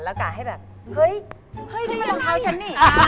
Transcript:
แล้วกะให้แบบเฮ้ยเฮ้ยนี่มันรองเท้าฉันนี่